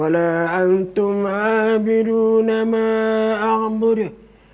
wala antum abirun ma a'budu